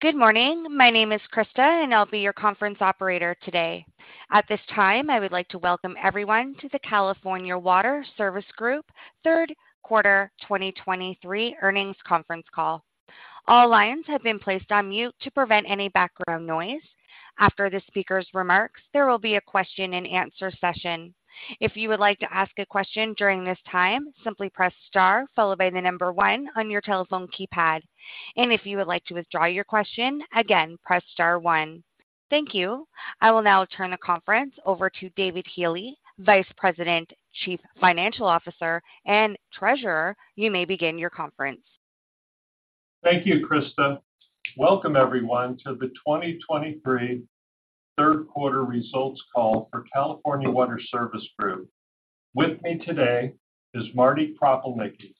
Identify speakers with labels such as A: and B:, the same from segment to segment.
A: Good morning. My name is Krista, and I'll be your conference operator today. At this time, I would like to welcome everyone to the California Water Service Group Q3 2023 earnings conference call. All lines have been placed on mute to prevent any background noise. After the speaker's remarks, there will be a question and answer session. If you would like to ask a question during this time, simply press Star followed by the number 1 on your telephone keypad. If you would like to withdraw your question, again, press Star 1. Thank you. I will now turn the conference over to David Healey, Vice President, Chief Financial Officer, and Treasurer. You may begin your conference.
B: Thank you, Krista. Welcome everyone, to the 2023 Q3 results call for California Water Service Group. With me today is Marty Kropelnicki,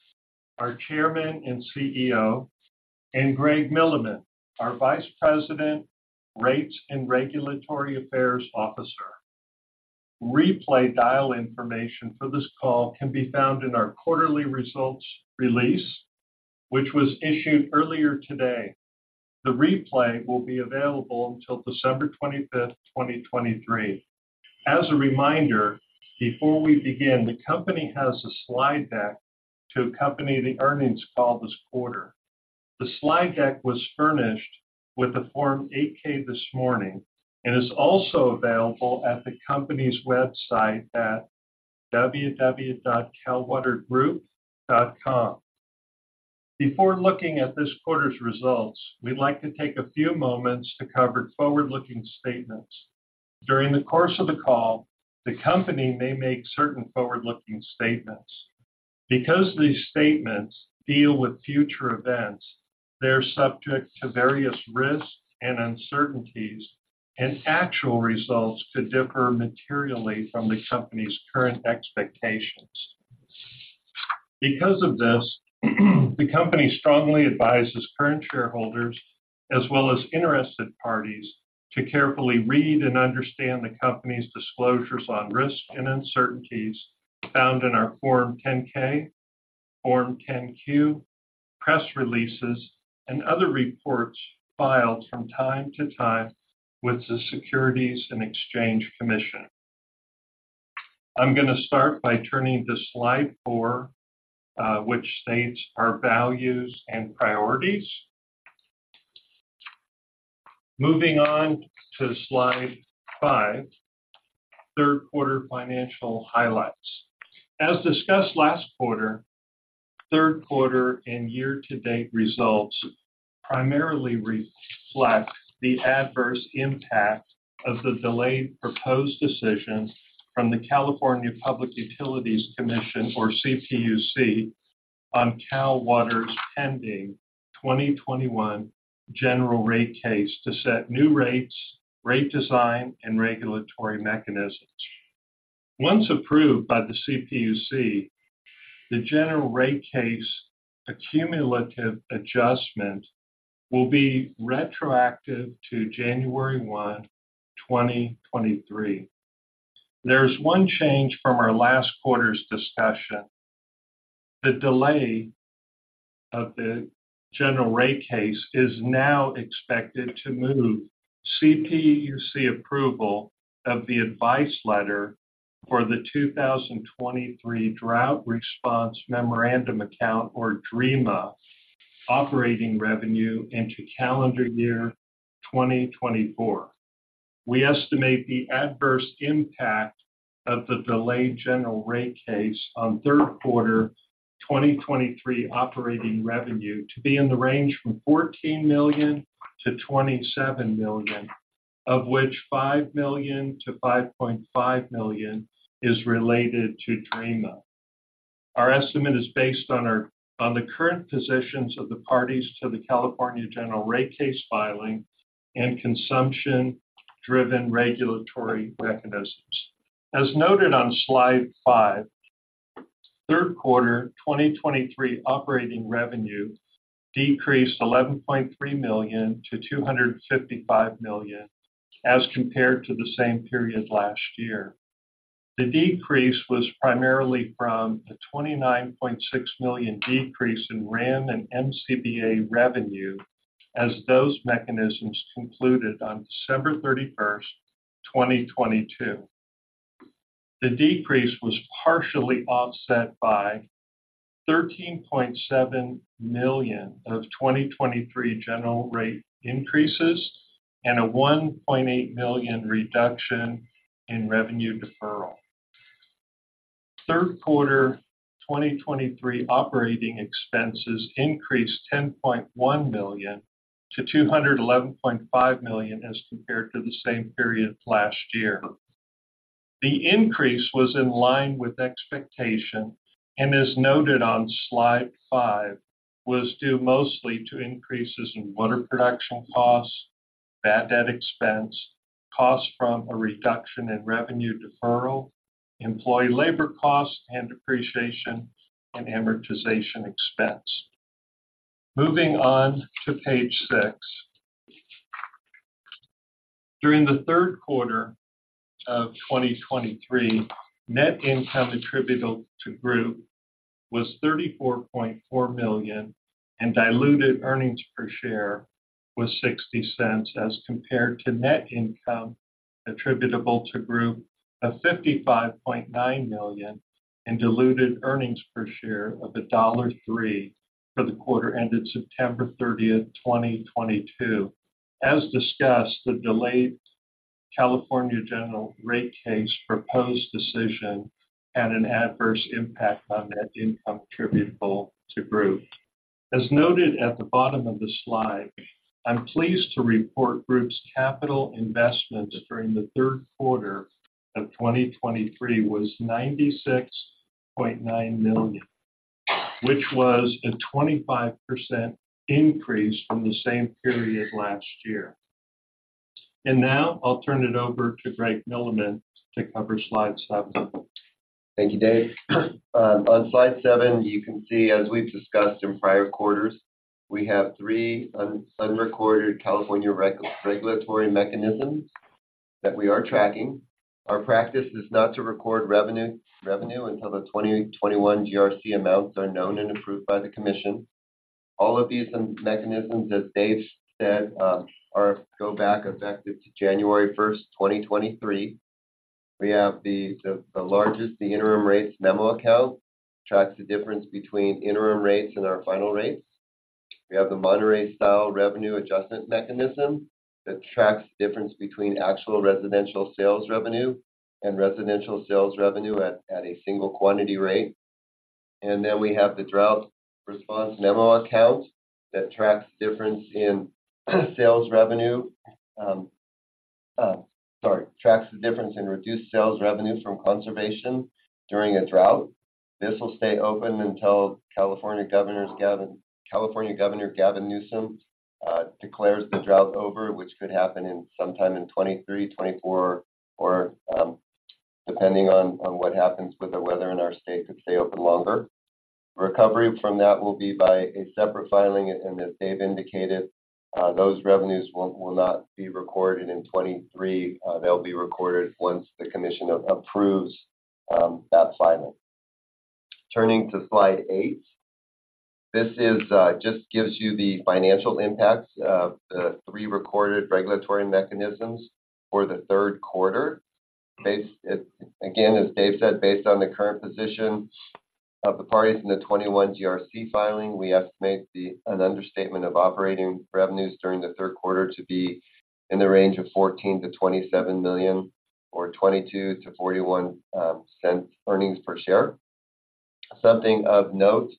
B: our Chairman and CEO, and Greg Milleman, our Vice President, Rates and Regulatory Affairs Officer. Replay dial information for this call can be found in our quarterly results release, which was issued earlier today. The replay will be available until December 25, 2023. As a reminder, before we begin, the company has a slide deck to accompany the earnings call this quarter. The slide deck was furnished with the Form 8-K this morning, and is also available at the company's website at www.calwatergroup.com. Before looking at this quarter's results, we'd like to take a few moments to cover forward-looking statements. During the course of the call, the company may make certain forward-looking statements. Because these statements deal with future events, they're subject to various risks and uncertainties, and actual results could differ materially from the company's current expectations. Because of this, the company strongly advises current shareholders as well as interested parties to carefully read and understand the company's disclosures on risk and uncertainties found in our Form 10-K, Form 10-Q, press releases, and other reports filed from time to time with the Securities and Exchange Commission. I'm gonna start by turning to slide 4, which states our values and priorities. Moving on to slide 5, Q3 financial highlights. As discussed last quarter, Q3 and year-to-date results primarily reflect the adverse impact of the delayed proposed decision from the California Public Utilities Commission, or CPUC, on Cal Water's pending 2021 General Rate Case to set new rates, rate design, and regulatory mechanisms. Once approved by the CPUC, the General Rate Case accumulative adjustment will be retroactive to January 1, 2023. There's one change from our last quarter's discussion. The delay of the General Rate Case is now expected to move CPUC approval of the advice letter for the 2023 Drought Response Memorandum Account, or DRMA, operating revenue into calendar year 2024. We estimate the adverse impact of the delayed General Rate Case on Q3 2023 operating revenue to be in the range from $14 million-$27 million, of which $5 million-$5.5 million is related to DRMA. Our estimate is based on our on the current positions of the parties to the California General Rate Case filing and consumption-driven regulatory mechanisms. As noted on slide 5, Q3 2023 operating revenue decreased $11.3 million to $255 million as compared to the same period last year. The decrease was primarily from a $29.6 million decrease in WRAM and MCBA revenue, as those mechanisms concluded on December 31, 2022. The decrease was partially offset by $13.7 million of 2023 general rate increases and a $1.8 million reduction in revenue deferral. Q3 2023 operating expenses increased $10.1 million to $211.5 million as compared to the same period last year. The increase was in line with expectation, and as noted on slide 5, was due mostly to increases in water production costs, bad debt expense, costs from a reduction in revenue deferral, employee labor costs, and depreciation and amortization expense. Moving on to page six. During the Q3 of 2023, net income attributable to Group was $34.4 million, and diluted earnings per share was $0.60, as compared to net income attributable to Group of $55.9 million and diluted earnings per share of $1.03 for the quarter ended September thirtieth, 2022. As discussed, the delayed California General Rate Case proposed decision had an adverse impact on net income attributable to Group. As noted at the bottom of the slide, I'm pleased to report Group's capital investments during the Q3 of 2023 was $96.9 million, which was a 25% increase from the same period last year. Now I'll turn it over to Greg Milleman to cover slide seven.
C: Thank you, Dave. On slide seven, you can see, as we've discussed in prior quarters, we have three unrecorded California regulatory mechanisms that we are tracking. Our practice is not to record revenue until the 2021 GRC amounts are known and approved by the commission. All of these mechanisms, as Dave said, go back effective to January 1, 2023. We have the largest, the Interim Rates Memo Account, which tracks the difference between interim rates and our final rates. We have the Monterey-Style Revenue Adjustment Mechanism that tracks the difference between actual residential sales revenue and residential sales revenue at a single quantity rate. Then we have the Drought Response Memo Account that tracks the difference in reduced sales revenue from conservation during a drought. This will stay open until California Governor Gavin Newsom declares the drought over, which could happen sometime in 2023, 2024, or, depending on what happens with the weather in our state, could stay open longer. Recovery from that will be by a separate filing, and as Dave indicated, those revenues will not be recorded in 2023. They'll be recorded once the commission approves that filing. Turning to slide eight, this just gives you the financial impacts of the three recorded regulatory mechanisms for the Q3. Based... Again, as Dave said, based on the current position of the parties in the 2021 GRC filing, we estimate an understatement of operating revenues during the Q3 to be in the range of $14-$27 million or $0.22-$0.41 earnings per share. Something of note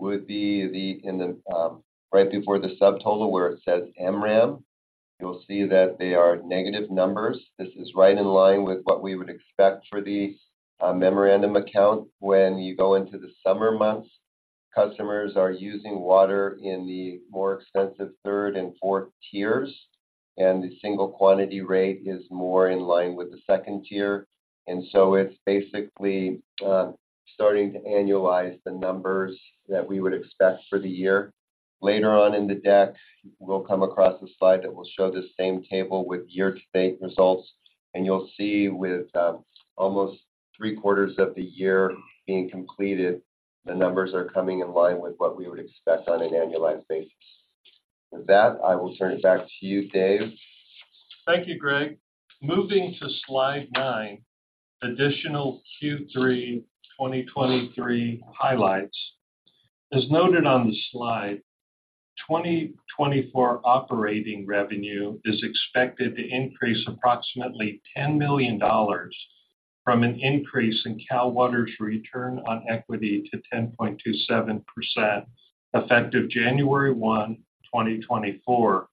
C: would be in the right before the subtotal where it says MRAM, you'll see that they are negative numbers. This is right in line with what we would expect for the memorandum account. When you go into the summer months, customers are using water in the more extensive third and fourth tiers, and the single quantity rate is more in line with the second tier. And so it's basically starting to annualize the numbers that we would expect for the year. Later on in the deck, we'll come across a slide that will show this same table with year-to-date results, and you'll see with, almost three-quarters of the year being completed, the numbers are coming in line with what we would expect on an annualized basis. With that, I will turn it back to you, Dave.
B: Thank you, Greg. Moving to slide 9, additional Q3 2023 highlights. As noted on the slide, 2024 operating revenue is expected to increase approximately $10 million from an increase in Cal Water's return on equity to 10.27%, effective January 1, 2024.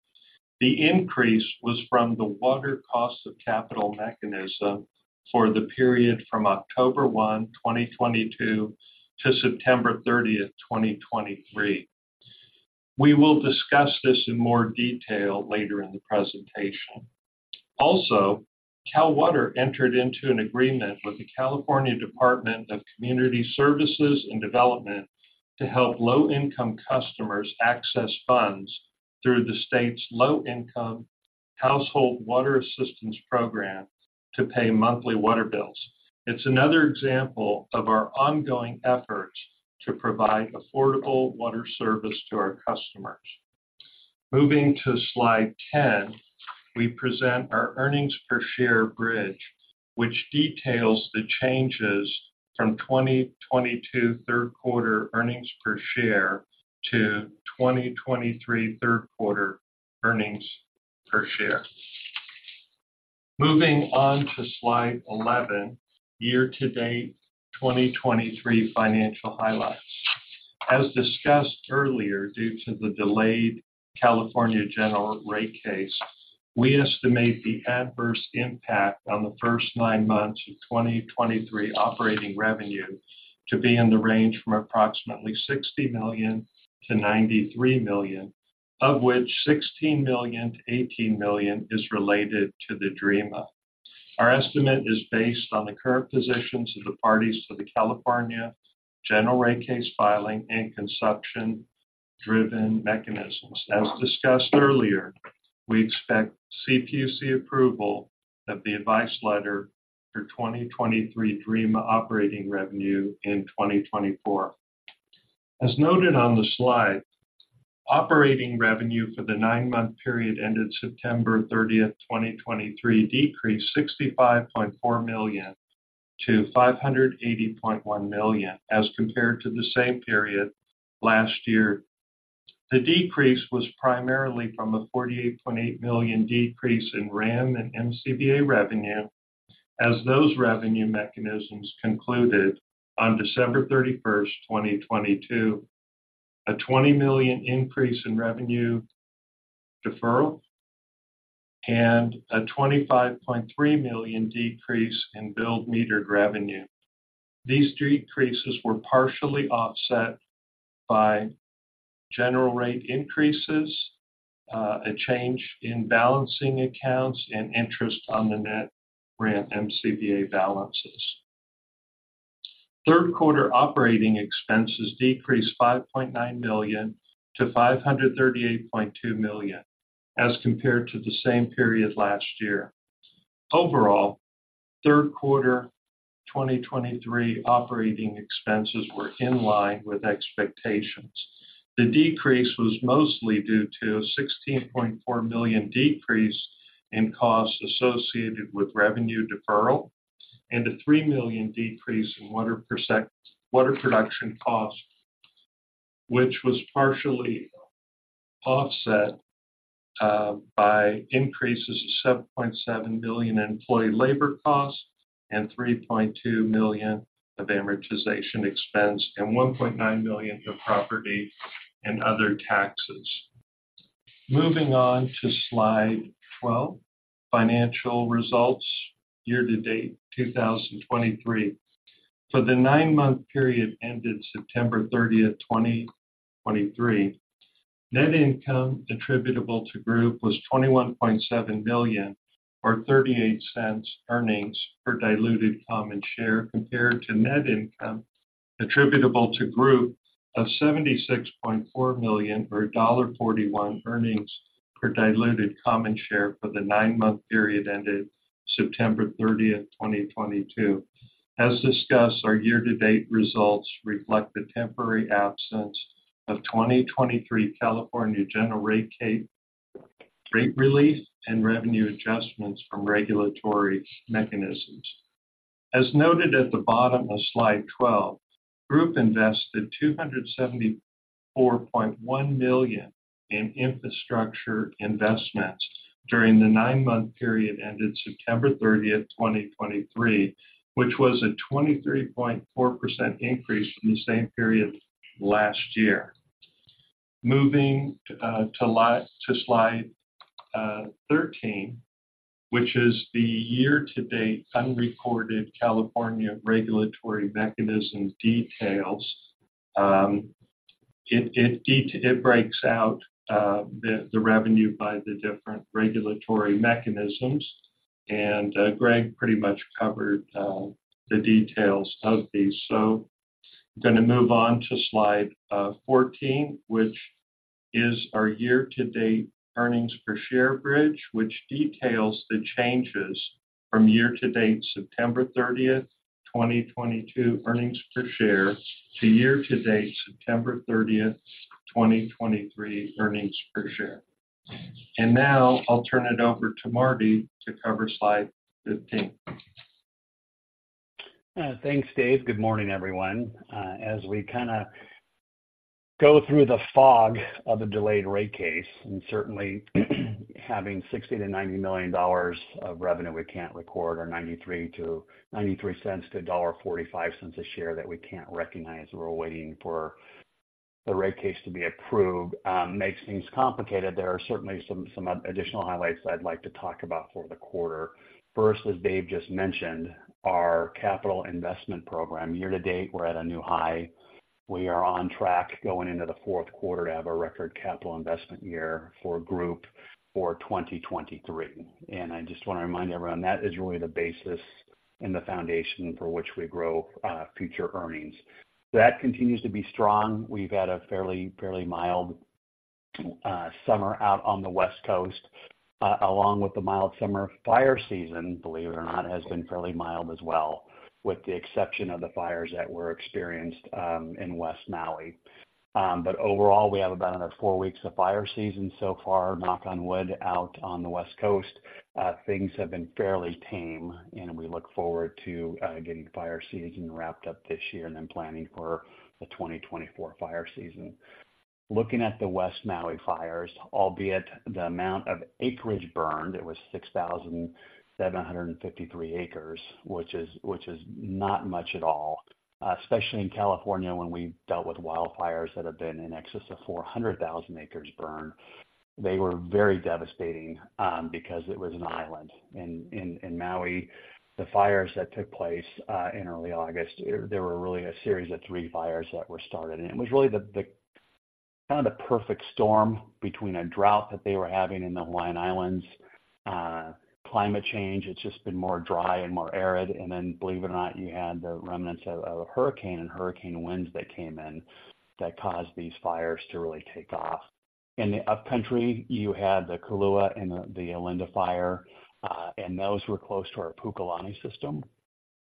B: The increase was from the Water Cost of Capital Mechanism for the period from October 1, 2022 to September 30, 2023. We will discuss this in more detail later in the presentation. Also, Cal Water entered into an agreement with the California Department of Community Services and Development to help low-income customers access funds through the state's Low Income Household Water Assistance Program to pay monthly water bills. It's another example of our ongoing efforts to provide affordable water service to our customers. Moving to slide 10, we present our earnings per share bridge, which details the changes from 2022 Q3 earnings per share to 2023 Q3 earnings per share. Moving on to slide 11, year-to-date 2023 financial highlights. As discussed earlier, due to the delayed California general rate case, we estimate the adverse impact on the first nine months of 2023 operating revenue to be in the range from approximately $60 million-$93 million, of which $16 million-$18 million is related to the DRMA.... Our estimate is based on the current positions of the parties to the California General Rate Case filing and consumption-driven mechanisms. As discussed earlier, we expect CPUC approval of the advice letter for 2023 DRMA operating revenue in 2024. As noted on the slide, operating revenue for the nine-month period ended September 30, 2023, decreased $65.4 million to $580.1 million, as compared to the same period last year. The decrease was primarily from a $48.8 million decrease in WRAM and MCBA revenue, as those revenue mechanisms concluded on December 31, 2022. A $20 million increase in revenue deferral and a $25.3 million decrease in billed metered revenue. These decreases were partially offset by general rate increases, a change in balancing accounts, and interest on the net WRAM MCBA balances. Q3 operating expenses decreased $5.9 million to $538.2 million as compared to the same period last year. Overall, Q3 2023 operating expenses were in line with expectations. The decrease was mostly due to a $16.4 million decrease in costs associated with revenue deferral and a $3 million decrease in water production costs, which was partially offset by increases of $7.7 million employee labor costs and $3.2 million of amortization expense, and $1.9 million of property and other taxes. Moving on to slide 12, financial results year-to-date 2023. For the nine-month period ended September 30, 2023, net income attributable to Group was $21.7 million, or $0.38 earnings per diluted common share, compared to net income attributable to Group of $76.4 million, or $1.41 earnings per diluted common share for the nine-month period ended September 30, 2022. As discussed, our year-to-date results reflect the temporary absence of 2023 California general rate relief and revenue adjustments from regulatory mechanisms. As noted at the bottom of slide 12, Group invested $274.1 million in infrastructure investments during the nine-month period ended September 30, 2023, which was a 23.4% increase from the same period last year. Moving to slide 13, which is the year-to-date unrecorded California regulatory mechanism details. It breaks out the revenue by the different regulatory mechanisms, and Greg pretty much covered the details of these. I'm gonna move on to slide 14, which is our year-to-date earnings per share bridge, which details the changes from year-to-date September 30, 2022, earnings per share to year-to-date September 30, 2023, earnings per share. Now I'll turn it over to Marty to cover slide 15.
D: Thanks, Dave. Good morning, everyone. As we kinda go through the fog of a delayed rate case, and certainly having $60-$90 million of revenue we can't record, or $0.93-$1.45 a share that we can't recognize, we're waiting for the rate case to be approved, makes things complicated. There are certainly some additional highlights I'd like to talk about for the quarter. First, as Dave just mentioned, our capital investment program. Year to date, we're at a new high. We are on track going into the Q4 to have a record capital investment year for Group for 2023. And I just want to remind everyone, that is really the basis and the foundation for which we grow future earnings. That continues to be strong. We've had a fairly, fairly mild summer out on the West Coast. Along with the mild summer, fire season, believe it or not, has been fairly mild as well, with the exception of the fires that were experienced in West Maui. But overall, we have about another 4 weeks of fire season so far, knock on wood, out on the West Coast. Things have been fairly tame, and we look forward to getting fire season wrapped up this year and then planning for the 2024 fire season. Looking at the West Maui fires, albeit the amount of acreage burned, it was 6,753 acres, which is, which is not much at all, especially in California, when we've dealt with wildfires that have been in excess of 400,000 acres burned. They were very devastating, because it was an island. In Maui, the fires that took place in early August, there were really a series of three fires that were started, and it was really the kind of the perfect storm between a drought that they were having in the Hawaiian Islands, climate change, it's just been more dry and more arid. And then, believe it or not, you had the remnants of a hurricane and hurricane winds that came in, that caused these fires to really take off. In the upcountry, you had the Kula and the Olinda Fire, and those were close to our Pukalani system.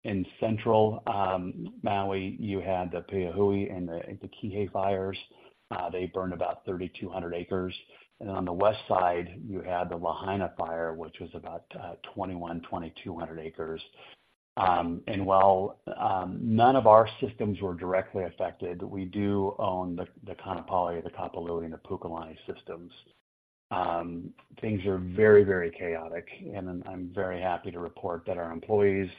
D: In central Maui, you had the Lahaina and the Kihei fires. They burned about 3,200 acres. On the west side, you had the Lahaina fire, which was about 2,100-2,200 acres. And while none of our systems were directly affected, we do own the Kaanapali, the Kapalua, and the Pukalani systems. Things are very, very chaotic, and then I'm very happy to report that our employees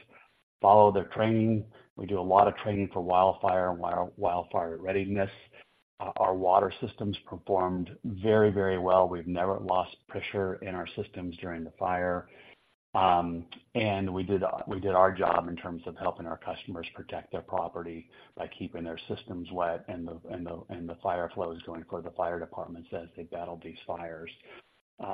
D: follow their training. We do a lot of training for wildfire readiness. Our water systems performed very, very well. We've never lost pressure in our systems during the fire. And we did our job in terms of helping our customers protect their property by keeping their systems wet and the fire flows going for the fire departments as they battled these fires.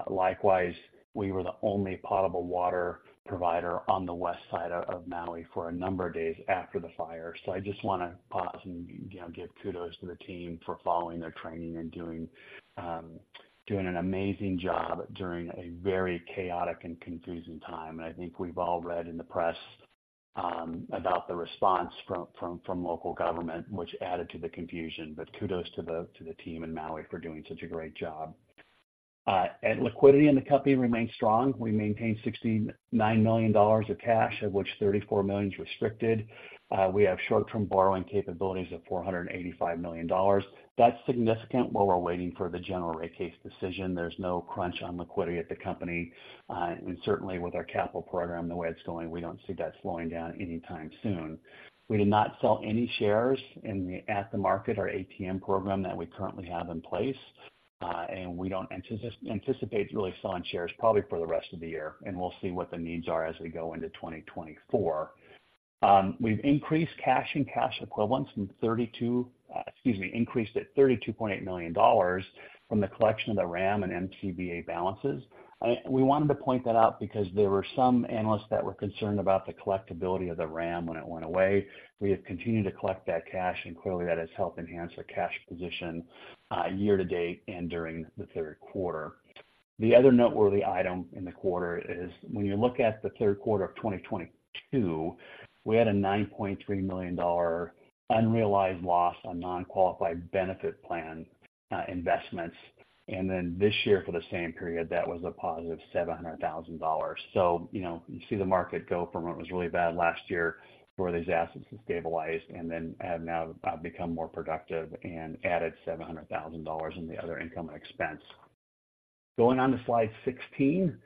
D: Likewise, we were the only potable water provider on the west side of Maui for a number of days after the fire. I just want to pause and, you know, give kudos to the team for following their training and doing, you know, doing an amazing job during a very chaotic and confusing time. I think we've all read in the press about the response from local government, which added to the confusion, but kudos to the team in Maui for doing such a great job. Liquidity in the company remains strong. We maintained $69 million of cash, of which $34 million is restricted. We have short-term borrowing capabilities of $485 million. That's significant while we're waiting for the general rate case decision. There's no crunch on liquidity at the company, and certainly with our capital program, the way it's going, we don't see that slowing down anytime soon. We did not sell any shares in the at-the-market or ATM program that we currently have in place, and we don't anticipate really selling shares probably for the rest of the year, and we'll see what the needs are as we go into 2024. We've increased cash and cash equivalents by $32.8 million from the collection of the WRAM and MCBA balances. We wanted to point that out because there were some analysts that were concerned about the collectibility of the WRAM when it went away. We have continued to collect that cash, and clearly that has helped enhance our cash position year to date and during the Q3. The other noteworthy item in the quarter is when you look at the Q3 of 2022, we had a $9.3 million unrealized loss on non-qualified benefit plan investments. And then this year, for the same period, that was a positive $700,000. So, you know, you see the market go from what was really bad last year, where these assets have stabilized and then have now become more productive and added $700,000 in the other income and expense. Going on to slide 16.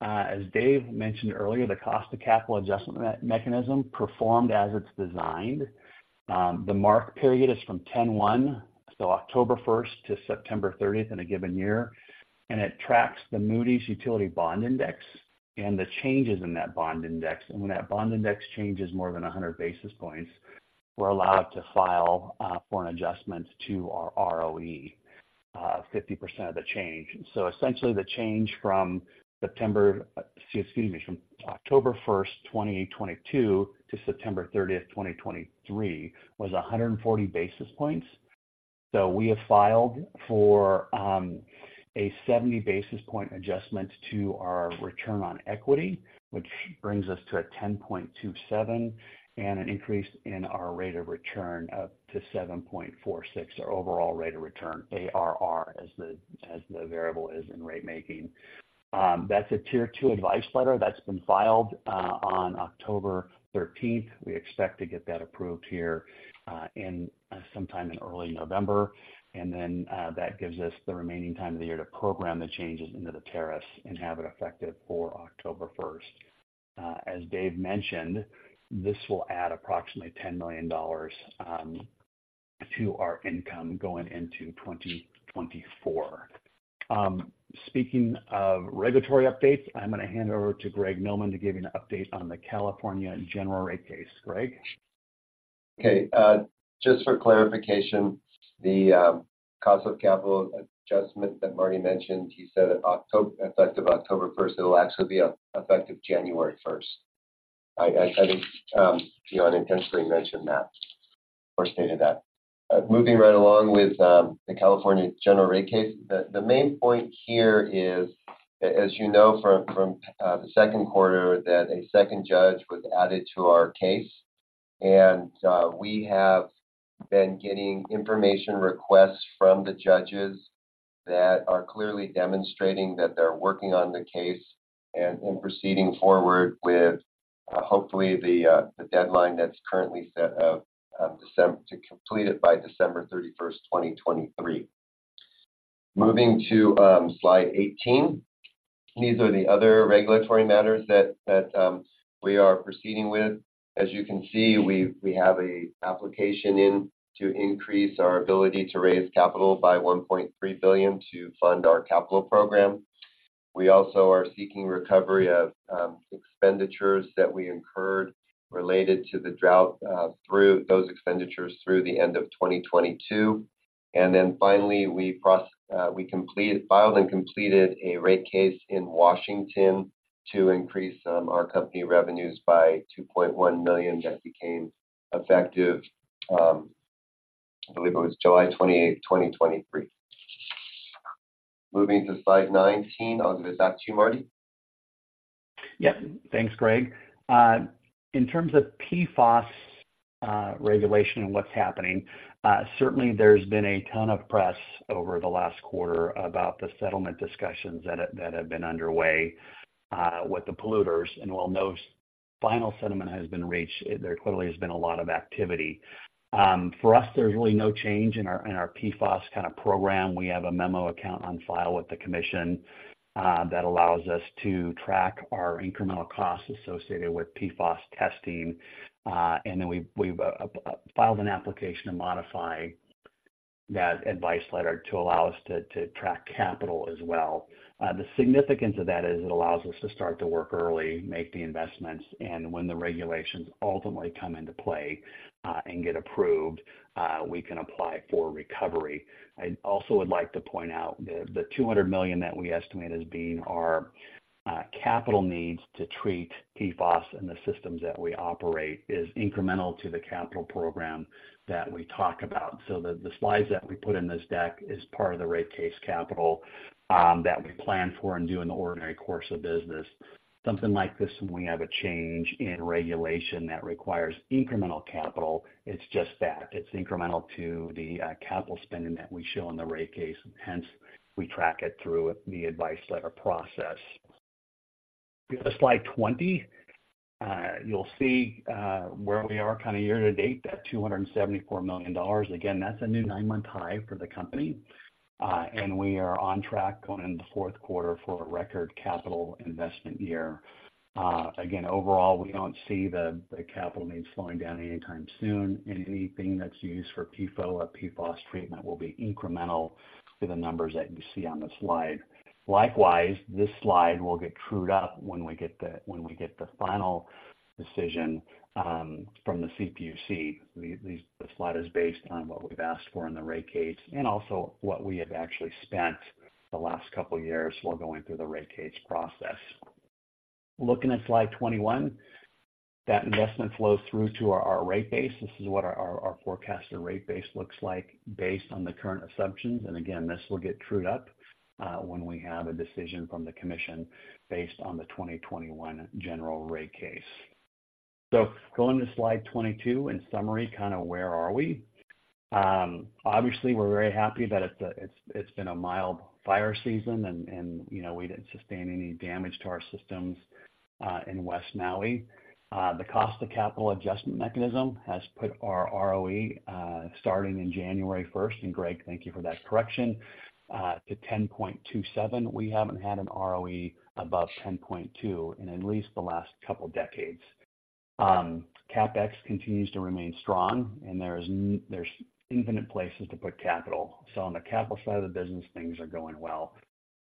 D: As Dave mentioned earlier, the Cost of Capital Adjustment Mechanism performed as it's designed. The mark period is from 10/1, so October first to September thirtieth in a given year, and it tracks the Moody's Utility Bond Index and the changes in that bond index. And when that bond index changes more than 100 basis points, we're allowed to file for an adjustment to our ROE, 50% of the change. So essentially, the change from September, excuse me, from October first, 2022 to September thirtieth, 2023, was 140 basis points. So we have filed for a 70 basis point adjustment to our return on equity, which brings us to a 10.27, and an increase in our rate of return to 7.46, our overall rate of return, ARR, as the variable is in rate making. That's a Tier Two Advice Letter that's been filed on October thirteenth. We expect to get that approved here in sometime in early November. And then, that gives us the remaining time of the year to program the changes into the tariffs and have it effective for October first. As Dave mentioned, this will add approximately $10 million to our income going into 2024. Speaking of regulatory updates, I'm gonna hand over to Greg Milleman to give you an update on the California general rate case. Greg?
C: Okay. Just for clarification, the cost of capital adjustment that Marty mentioned, he said October, effective October 1, it'll actually be effective January 1. I think you unintentionally mentioned that or stated that. Moving right along with the California General Rate Case. The main point here is as you know from the Q2, that a second judge was added to our case. We have been getting information requests from the judges that are clearly demonstrating that they're working on the case and proceeding forward with hopefully the deadline that's currently set to complete it by December 31, 2023. Moving to slide 18. These are the other regulatory matters that we are proceeding with. As you can see, we have an application in to increase our ability to raise capital by $1.3 billion to fund our capital program. We also are seeking recovery of expenditures that we incurred related to the drought, through those expenditures through the end of 2022. Finally, we completed, filed and completed a rate case in Washington to increase our company revenues by $2.1 million. That became effective, I believe it was July 28, 2023. Moving to slide 19, I'll give it back to you, Marty.
D: Yeah. Thanks, Greg. In terms of PFAS, regulation and what's happening, certainly there's been a ton of press over the Q4 about the settlement discussions that have, that have been underway, with the polluters. And while no final settlement has been reached, there clearly has been a lot of activity. For us, there's really no change in our, in our PFAS kind of program. We have a memo account on file with the commission, that allows us to track our incremental costs associated with PFAS testing. And then we've filed an application to modify that advice letter to allow us to, to track capital as well. The significance of that is it allows us to start the work early, make the investments, and when the regulations ultimately come into play, and get approved, we can apply for recovery. I also would like to point out the two hundred million that we estimate as being our capital needs to treat PFAS and the systems that we operate, is incremental to the capital program that we talk about. So the slides that we put in this deck is part of the rate case capital, that we plan for and do in the ordinary course of business. Something like this, when we have a change in regulation that requires incremental capital, it's just that. It's incremental to the capital spending that we show in the rate case, hence, we track it through the advice letter process. Go to slide 20. You'll see where we are kind of year to date, that $274 million. Again, that's a new nine-month high for the company. And we are on track going into the Q4 for a record capital investment year. Again, overall, we don't see the capital needs slowing down anytime soon, and anything that's used for PFOA, PFAS treatment will be incremental to the numbers that you see on the slide. Likewise, this slide will get trued up when we get the final decision from the CPUC. This slide is based on what we've asked for in the rate case and also what we have actually spent the last couple of years while going through the rate case process. Looking at slide 21, that investment flows through to our rate base. This is what our forecasted rate base looks like based on the current assumptions. And again, this will get trued up when we have a decision from the commission based on the 2021 general rate case. So going to slide 22, in summary, kind of where are we? Obviously, we're very happy that it's been a mild fire season and, you know, we didn't sustain any damage to our systems in West Maui. The Cost of Capital Adjustment Mechanism has put our ROE starting in January 1, and Greg, thank you for that correction, to 10.27. We haven't had an ROE above 10.2 in at least the last couple of decades. CapEx continues to remain strong, and there's infinite places to put capital. So on the capital side of the business, things are going well.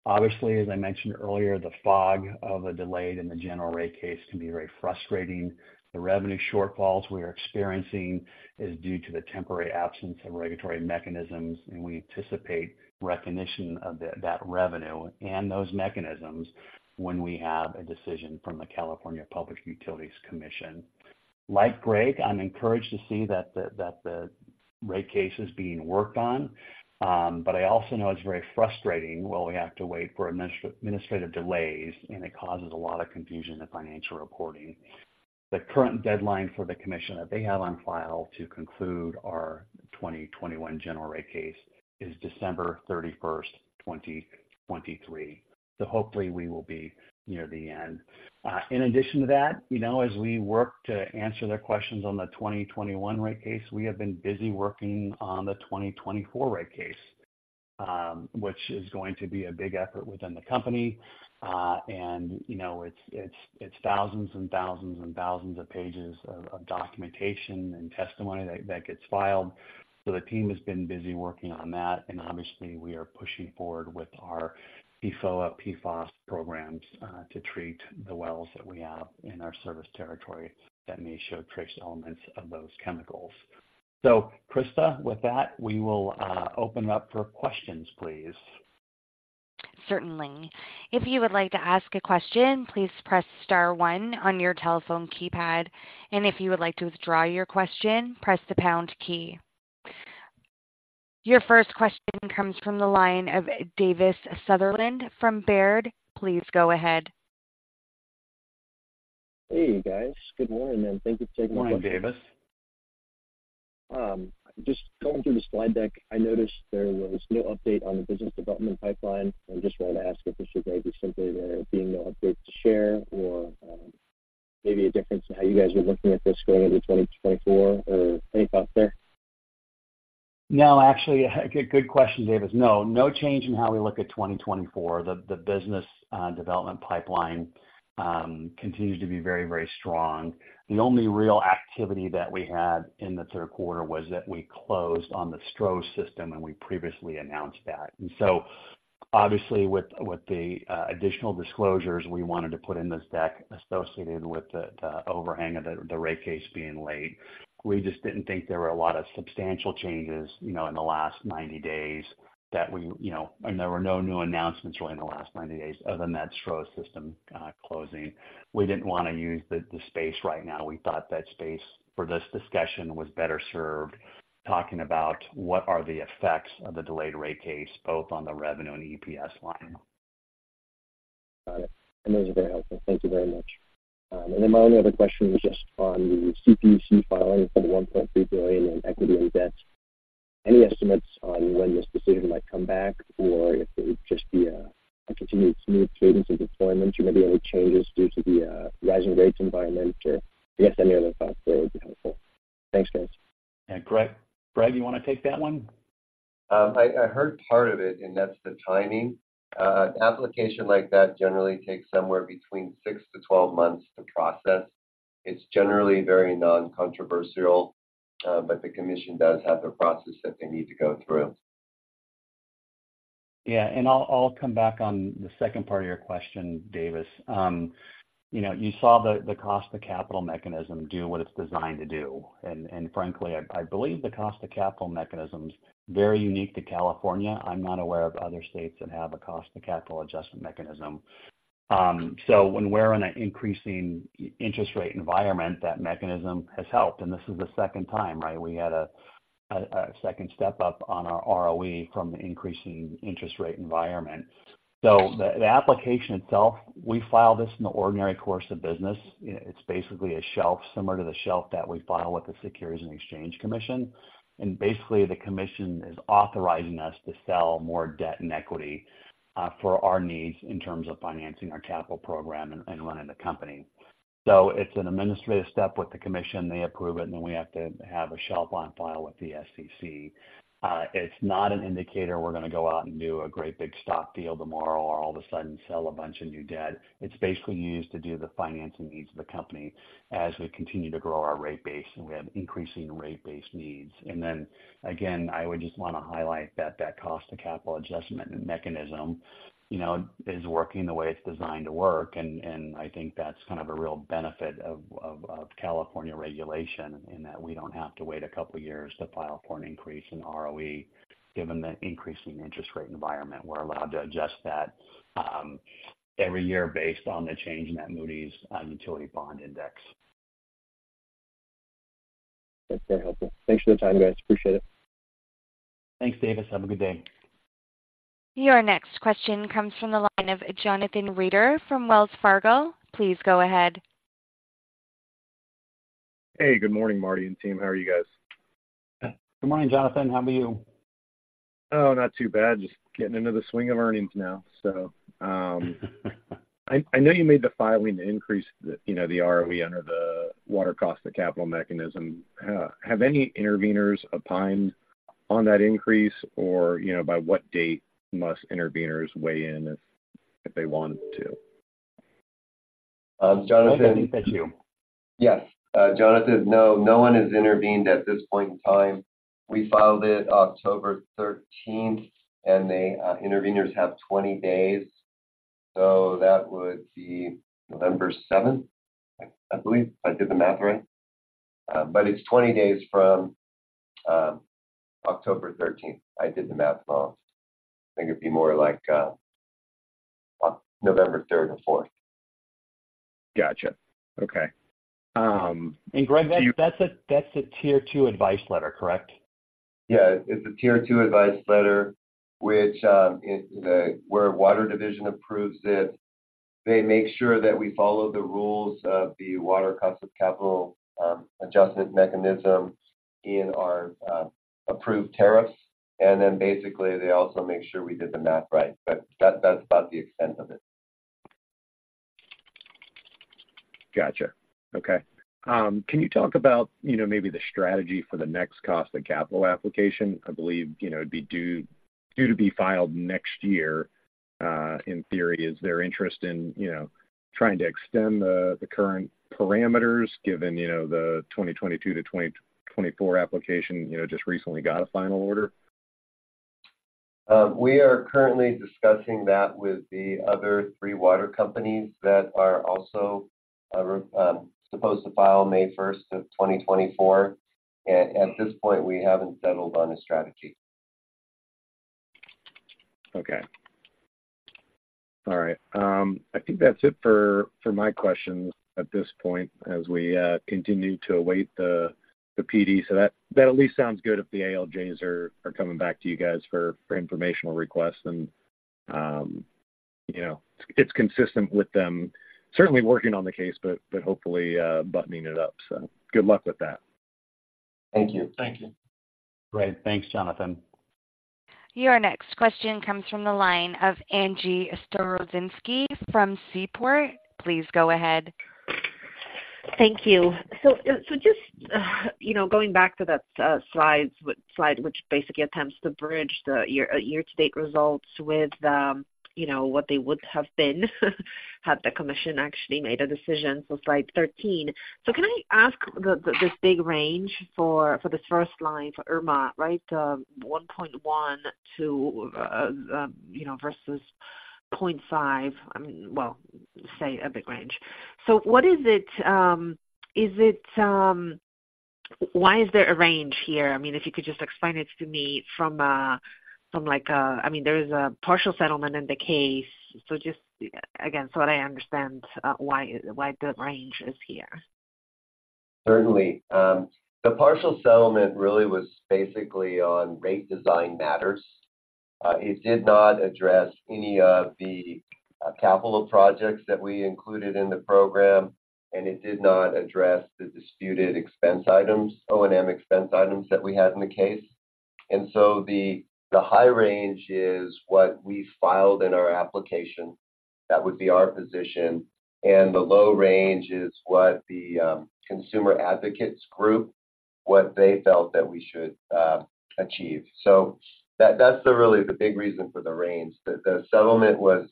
D: Obviously, as I mentioned earlier, the fog of a delay in the General Rate Case can be very frustrating. The revenue shortfalls we are experiencing is due to the temporary absence of regulatory mechanisms, and we anticipate recognition of that revenue and those mechanisms when we have a decision from the California Public Utilities Commission. Like Greg, I'm encouraged to see that the rate case is being worked on, but I also know it's very frustrating while we have to wait for administrative delays, and it causes a lot of confusion in financial reporting. The current deadline for the commission that they have on file to conclude our 2021 General Rate Case is December 31, 2023. So hopefully, we will be near the end. In addition to that, you know, as we work to answer their questions on the 2021 rate case, we have been busy working on the 2024 rate case, which is going to be a big effort within the company. And, you know, it's thousands and thousands and thousands of pages of documentation and testimony that gets filed. So the team has been busy working on that, and obviously, we are pushing forward with our PFOA, PFAS programs to treat the wells that we have in our service territory that may show trace elements of those chemicals. So, Krista, with that, we will open up for questions, please.
A: Certainly. If you would like to ask a question, please press star one on your telephone keypad, and if you would like to withdraw your question, press the pound key. Your first question comes from the line of Davis Sunderland from Baird. Please go ahead.
E: Hey, guys. Good morning, and thank you for taking my question.
D: Good morning, Davis.
E: Just going through the slide deck, I noticed there was no update on the business development pipeline. I just wanted to ask if this should maybe simply there being no update to share or, maybe a difference in how you guys are looking at this going into 2024, or any thoughts there?
D: No, actually, good question, Davis. No, no change in how we look at 2024. The business development pipeline continues to be very, very strong. The only real activity that we had in the Q3 was that we closed on the Stroh's system, and we previously announced that. Obviously, with the additional disclosures we wanted to put in this deck associated with the overhang of the rate case being late, we just didn't think there were a lot of substantial changes, you know, in the last 90 days that we, you know, and there were no new announcements really in the last 90 days other than that Stroh's system closing. We didn't wanna use the space right now. We thought that space for this discussion was better served talking about what are the effects of the delayed rate case, both on the revenue and EPS line.
F: Got it. And those are very helpful. Thank you very much. And then my only other question was just on the CPUC filing for the $1.3 billion in equity and debt. Any estimates on when this decision might come back, or if it would just be a continued smooth cadence of deployment, or maybe any changes due to the rising rates environment, or I guess any other thoughts there would be helpful. Thanks, guys.
D: Yeah. Greg, Greg, you want to take that one?
C: I heard part of it, and that's the timing. An application like that generally takes somewhere between 6-12 months to process. It's generally very non-controversial, but the commission does have a process that they need to go through.
D: Yeah, I'll come back on the second part of your question, Davis. You know, you saw the cost of capital mechanism do what it's designed to do. And, frankly, I believe the cost of capital mechanism's very unique to California. I'm not aware of other states that have a Cost of Capital Adjustment Mechanism. You know, when we're in an increasing interest rate environment, that mechanism has helped, and this is the second time, right? We had a second step up on our ROE from the increasing interest rate environment. The application itself, we file this in the ordinary course of business. It's basically a shelf, similar to the shelf that we file with the Securities and Exchange Commission. Basically, the commission is authorizing us to sell more debt and equity for our needs in terms of financing our capital program and running the company. It's an administrative step with the commission. They approve it, and then we have to have a shelf on file with the SEC. It's not an indicator we're gonna go out and do a great big stock deal tomorrow, or all of a sudden sell a bunch of new debt. It's basically used to do the financing needs of the company as we continue to grow our rate base, and we have increasing rate-based needs. Then, again, I would just wanna highlight that that Cost of Capital Adjustment Mechanism, you know, is working the way it's designed to work. I think that's kind of a real benefit of California regulation, in that we don't have to wait a couple of years to file for an increase in ROE, given the increasing interest rate environment. We're allowed to adjust that every year based on the change in that Moody's Utility Bond Index.
F: That's very helpful. Thanks for the time, guys. Appreciate it.
D: Thanks, Davis. Have a good day.
A: Your next question comes from the line of Jonathan Reeder from Wells Fargo. Please go ahead.
G: Hey, good morning, Marty and team. How are you guys?
D: Good morning, Jonathan. How are you?
G: Oh, not too bad. Just getting into the swing of earnings now. So, I know you made the filing to increase the, you know, the ROE under the Water Cost of Capital Mechanism. Have any interveners opined on that increase? Or, you know, by what date must interveners weigh in if they wanted to?
C: Um, Jonathan-
D: I think that's you.
C: Yes. Jonathan, no, no one has intervened at this point in time. We filed it October thirteenth, and the interveners have 20 days. So that would be November seventh, I believe, if I did the math right. But it's 20 days from October thirteenth. I did the math wrong. I think it'd be more like November third or fourth.
G: Gotcha. Okay. Do you-
D: Greg, that's a Tier Two Advice Letter, correct?
C: Yeah. It's a Tier Two Advice Letter, which is where our water division approves it. They make sure that we follow the rules of the Water Cost of Capital Mechanism in our approved tariffs, and then basically, they also make sure we did the math right. But that, that's about the extent of it.
G: Gotcha. Okay. Can you talk about, you know, maybe the strategy for the next cost of capital application? I believe, you know, it'd be due, due to be filed next year. In theory, is there interest in, you know, trying to extend the, the current parameters, given, you know, the 2022-2024 application, you know, just recently got a final order?
C: We are currently discussing that with the other three water companies that are also supposed to file May first of 2024. At this point, we haven't settled on a strategy.
G: Okay. All right, I think that's it for my questions at this point as we continue to await the PD. So that at least sounds good if the ALJs are coming back to you guys for informational requests. And you know, it's consistent with them certainly working on the case, but hopefully buttoning it up. So good luck with that.
C: Thank you.
D: Thank you.
C: Great. Thanks, Jonathan.
A: Your next question comes from the line of Angie Storozynski from Seaport. Please go ahead.
F: Thank you. So, so just, you know, going back to that slide, which basically attempts to bridge the year-to-date results with the, you know, what they would have been, had the commission actually made a decision, so slide 13. So can I ask the—the big range for, for this first line for IRMA, right? 1.1 to, you know, versus- ... 0.5, I mean, well, say a big range. So what is it, is it, why is there a range here? I mean, if you could just explain it to me from, from like a, I mean, there is a partial settlement in the case. So just again, so that I understand, why, why the range is here.
C: Certainly. The partial settlement really was basically on rate design matters. It did not address any of the capital projects that we included in the program, and it did not address the disputed expense items, O&M expense items that we had in the case. And so the high range is what we filed in our application. That would be our position, and the low range is what the consumer advocates Group, what they felt that we should achieve. So that, that's the really the big reason for the range. The settlement was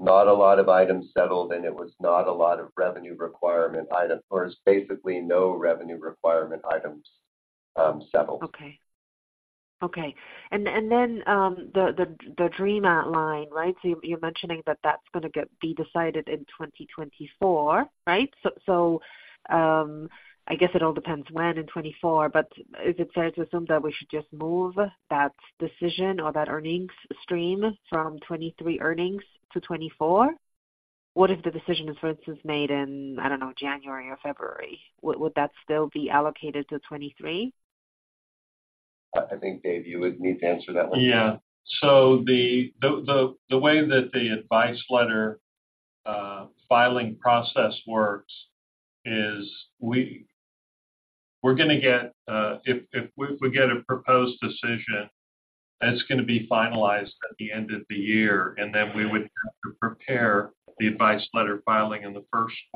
C: not a lot of items settled, and it was not a lot of revenue requirement items, or there's basically no revenue requirement items settled.
F: Okay. Okay, and then the DRMA account line, right? So you're mentioning that that's gonna be decided in 2024, right? So I guess it all depends when in 2024, but is it fair to assume that we should just move that decision or that earnings stream from 2023 earnings to 2024? What if the decision is, for instance, made in, I don't know, January or February, would that still be allocated to 2023?
C: I think, Dave, you would need to answer that one.
B: Yeah. So the way that the Advice Letter filing process works is we're gonna get, if we get a Proposed Decision, that's gonna be finalized at the end of the year, and then we would have to prepare the Advice Letter filing in the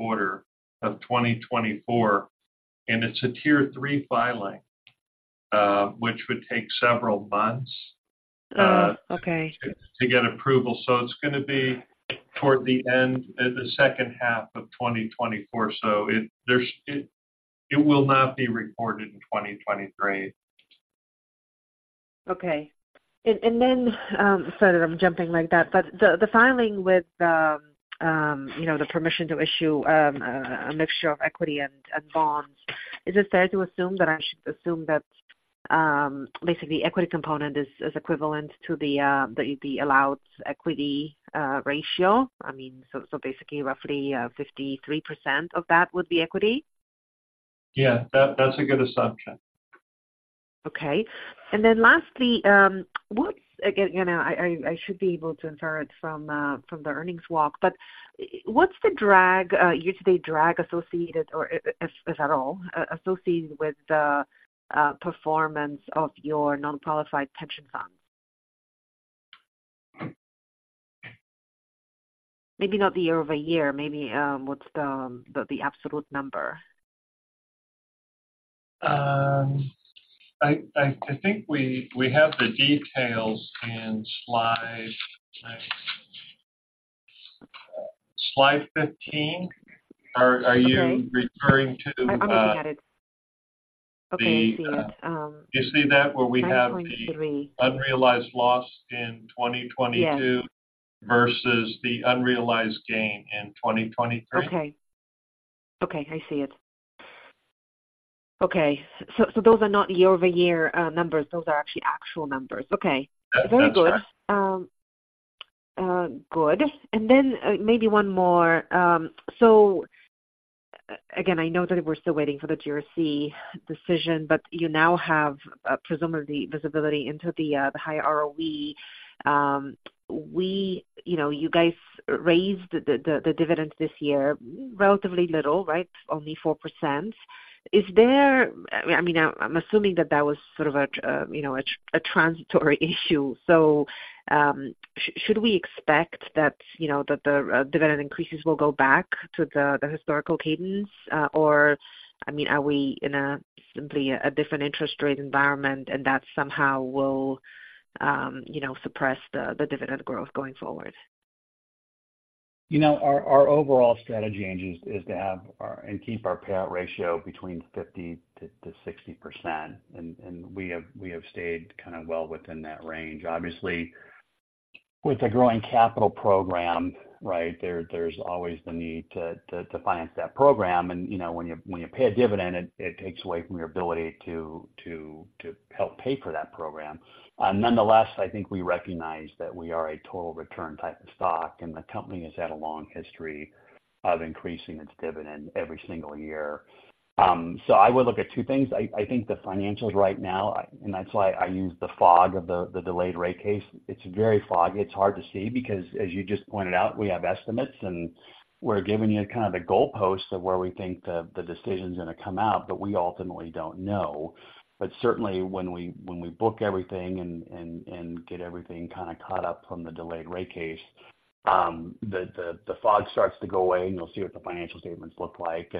B: Q1 of 2024. And it's a Tier Three filing, which would take several months.
F: Oh, okay...
B: to get approval. So it's gonna be toward the end of the second half of 2024. So it will not be recorded in 2023.
F: Okay. And then, sorry, I'm jumping like that. But the filing with the, you know, the permission to issue a mixture of equity and bonds, is it fair to assume that I should assume that basically, equity component is equivalent to the allowed equity ratio? I mean, so basically roughly, 53% of that would be equity?
B: Yeah, that, that's a good assumption.
F: Okay. Then lastly, what's, again, you know, I should be able to infer it from the earnings walk. But what's the drag, year-to-date drag associated, or if at all, associated with the performance of your non-qualified pension funds? Maybe not the year-over-year, maybe, what's the absolute number?
B: I think we have the details in slide 15.
F: Okay.
B: Are you referring to?
F: I'm looking at it. Okay, I see it,
B: You see that, where we have the-
F: 9.3...
B: unrealized loss in 2022-
F: Yes
B: - versus the unrealized gain in 2023?
F: Okay. Okay, I see it. Okay, so, so those are not year-over-year numbers. Those are actually actual numbers. Okay.
B: That's correct.
F: Very good. And then, maybe one more. So again, I know that we're still waiting for the GRC decision, but you now have, presumably visibility into the higher ROE. We, you know, you guys raised the dividends this year, relatively little, right? Only 4%. Is there... I mean, I'm assuming that that was sort of a, you know, a transitory issue. So, should we expect that, you know, that the dividend increases will go back to the historical cadence? Or, I mean, are we in a simply a different interest rate environment and that somehow will, you know, suppress the dividend growth going forward?
D: You know, our, our overall strategy, Angie, is, is to have our, and keep our payout ratio between 50% to, to 60%. We have, we have stayed kind of well within that range. Obviously, with the growing capital program, right, there's always the need to, to, to finance that program. You know, when you, when you pay a dividend, it, it takes away from your ability to, to, to help pay for that program. Nonetheless, I think we recognize that we are a total return type of stock, and the company has had a long history of increasing its dividend every single year. I would look at two things. I, I think the financials right now, and that's why I use the fog of the, the delayed rate case. It's very foggy. It's hard to see because, as you just pointed out, we have estimates, and we're giving you kind of the goalpost of where we think the decision's gonna come out, but we ultimately don't know. But certainly when we book everything and get everything kind of caught up from the delayed rate case, the fog starts to go away, and you'll see what the financial statements look like.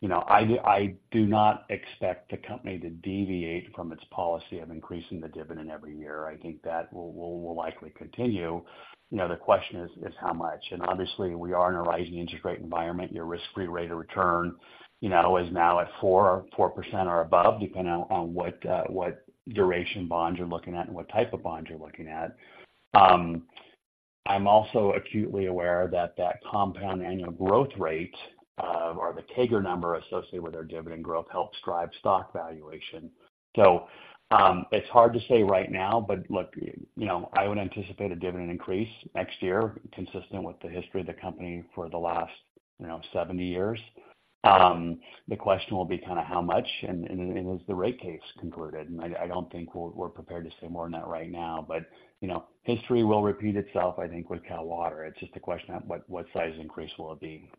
D: You know, I do not expect the company to deviate from its policy of increasing the dividend every year. I think that will likely continue. You know, the question is how much? And obviously, we are in a rising interest rate environment. Your risk-free rate of return, you know, is now at 4.4% or above, depending on what duration bonds you're looking at and what type of bonds you're looking at. I'm also acutely aware that compound annual growth rate or the CAGR number associated with our dividend growth helps drive stock valuation. So, it's hard to say right now, but look, you know, I would anticipate a dividend increase next year, consistent with the history of the company for the last, you know, 70 years. The question will be kind of how much, and is the rate case concluded? I don't think we're prepared to say more on that right now, but, you know, history will repeat itself, I think, with Cal Water. It's just a question of what size increase will it be?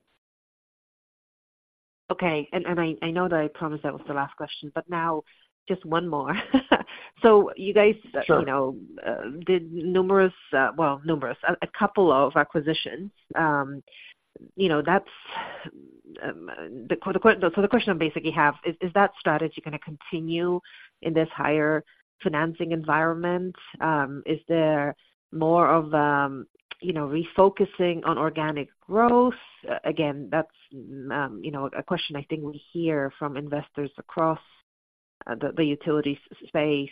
F: Okay. And I know that I promised that was the last question, but now just one more. So you guys-
D: Sure.
F: You know, did numerous, well, numerous, a couple of acquisitions. You know, that's the, so the question I basically have is: Is that strategy gonna continue in this higher financing environment? Is there more of, you know, refocusing on organic growth? Again, that's, you know, a question I think we hear from investors across the utility space.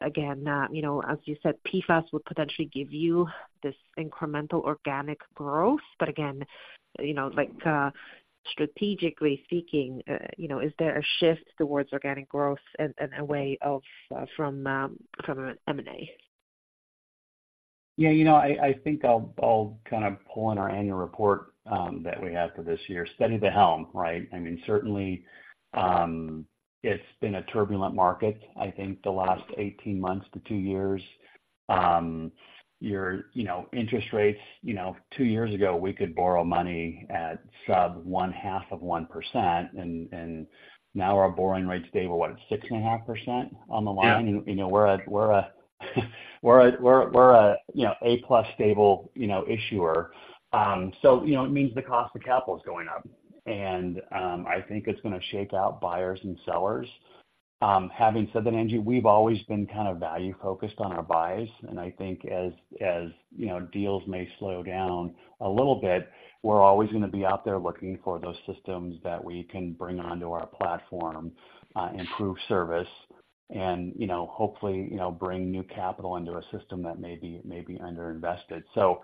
F: Again, you know, as you said, PFAS would potentially give you this incremental organic growth. But again, you know, like, strategically speaking, you know, is there a shift towards organic growth and away from M&A?
D: Yeah, you know, I think I'll kind of pull on our annual report that we have for this year. Steady the helm, right? I mean, certainly, it's been a turbulent market, I think, the last 18 months to 2 years. You know, interest rates, you know, 2 years ago, we could borrow money at sub-0.5%, and now our borrowing rates today, we're what? 6.5% on the line.
F: Yeah.
D: You know, we're a you know, A-plus stable, you know, issuer. So, you know, it means the cost of capital is going up, and I think it's gonna shake out buyers and sellers. Having said that, Angie, we've always been kind of value-focused on our buys, and I think as you know, deals may slow down a little bit, we're always gonna be out there looking for those systems that we can bring onto our platform, improve service and, you know, hopefully, you know, bring new capital into a system that may be underinvested. So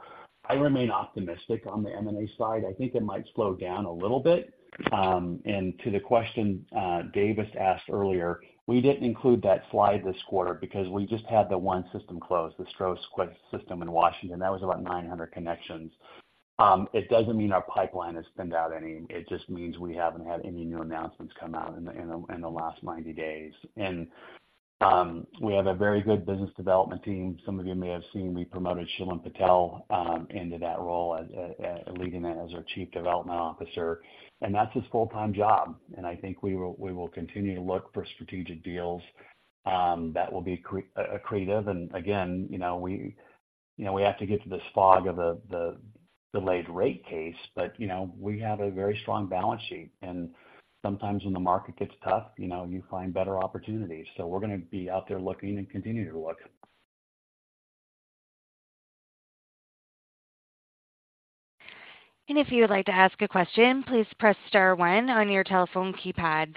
D: I remain optimistic on the M&A side. I think it might slow down a little bit. And to the question Davis asked earlier, we didn't include that slide this quarter because we just had the one system closed, the Stroh System in Washington. That was about 900 connections. It doesn't mean our pipeline has spun out any, it just means we haven't had any new announcements come out in the last 90 days. And we have a very good business development team. Some of you may have seen, we promoted Shilen Patel into that role as leading it as our Chief Development Officer, and that's his full-time job. And I think we will continue to look for strategic deals that will be accretive. And again, you know, we have to get to this fog of the delayed rate case, but, you know, we have a very strong balance sheet, and sometimes when the market gets tough, you know, you find better opportunities. So we're gonna be out there looking and continue to look.
A: If you would like to ask a question, please press star one on your telephone keypad.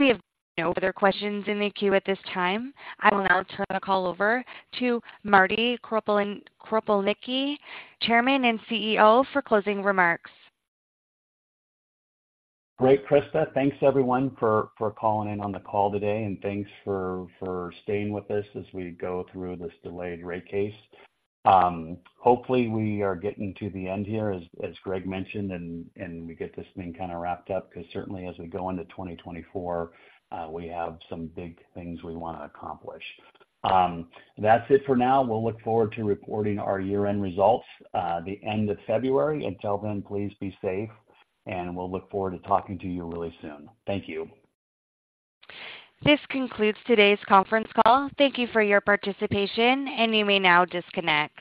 A: We have no other questions in the queue at this time. I will now turn the call over to Marty Kropelnicki, Chairman and CEO, for closing remarks.
D: Great, Krista. Thanks, everyone, for calling in on the call today, and thanks for staying with us as we go through this delayed rate case. Hopefully, we are getting to the end here, as Greg mentioned, and we get this thing kinda wrapped up, 'cause certainly as we go into 2024, we have some big things we wanna accomplish. That's it for now. We'll look forward to reporting our year-end results the end of February. Until then, please be safe, and we'll look forward to talking to you really soon. Thank you.
A: This concludes today's conference call. Thank you for your participation, and you may now disconnect.